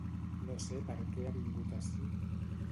No sé perquè ha vingut ací...